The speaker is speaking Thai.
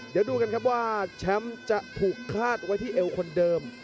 เดี๋ยวดูกันครับว่าแชมป์จะถูกคลาดไว้ที่เอวคนเดิม